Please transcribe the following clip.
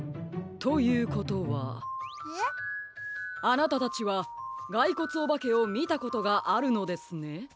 あなたたちはがいこつおばけをみたことがあるのですね。